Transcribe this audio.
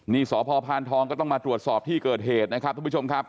นี่สพพานทองก็ต้องมาตรวจสอบที่เกิดเหตุนะครับทุกผู้ชมครับ